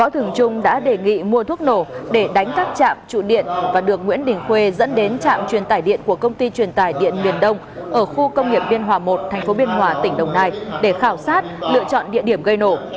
thường trung đã đề nghị mua thuốc nổ để đánh các trạm trụ điện và được nguyễn đình khuê dẫn đến trạm truyền tải điện của công ty truyền tải điện miền đông ở khu công nghiệp biên hòa một tp biên hòa tỉnh đồng nai để khảo sát lựa chọn địa điểm gây nổ